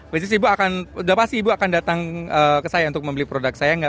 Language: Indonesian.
pasti ibu akan datang ke saya untuk membeli produk saya